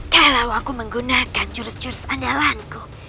kalau aku menggunakan jurus jurus andalanku